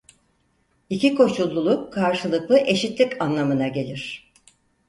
İki koşulluluk karşılıklı eşitlik anlamına gelir.